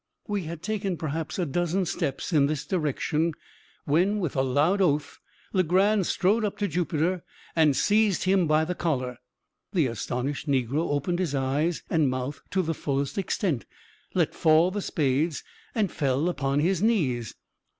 We had taken, perhaps, a dozen steps in this direction, when, with a loud oath, Legrand strode up to Jupiter, and seized him by the collar. The astonished negro opened his eyes and mouth to the fullest extent, let fall the spades, and fell upon his knees.